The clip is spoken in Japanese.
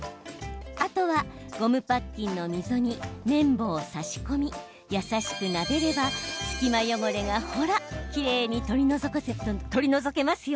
あとはゴムパッキンの溝に綿棒を差し込み、優しくなでれば隙間汚れが、ほらきれいに取り除けますよ。